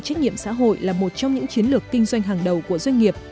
trách nhiệm xã hội là một trong những chiến lược kinh doanh hàng đầu của doanh nghiệp